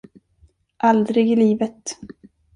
Aldrig i livet!